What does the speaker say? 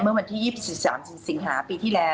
เมื่อวันที่๒๓สิงหาปีที่แล้ว